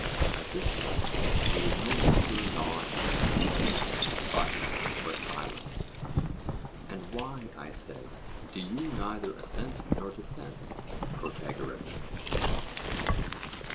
At this point he would no longer nod assent, but was silent. And why, I said, do you neither assent nor dissent, Protagoras?